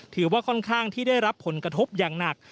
ถือว่าค่อนข้างที่ได้รับผลกระทบอย่างหนัก